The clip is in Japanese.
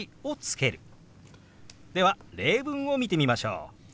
では例文を見てみましょう。